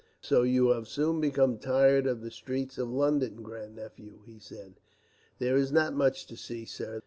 "So you have soon become tired of the streets of London, Grandnephew!" he said. "There is not much to see, sir.